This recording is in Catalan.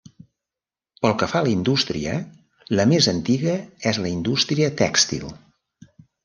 Pel que fa a la indústria, la més antiga és la indústria tèxtil.